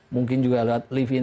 mungkin juga lewat live in